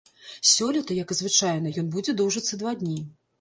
Сёлета, як і звычайна, ён будзе доўжыцца два дні.